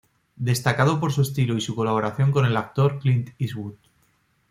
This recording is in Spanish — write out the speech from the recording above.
Destacado por su estilo y su colaboración con el actor Clint Eastwood.